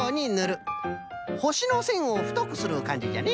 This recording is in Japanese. ほしのせんをふとくするかんじじゃね。